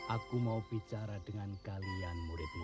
aku ingin bicara seperti saat kita di perguruan dulu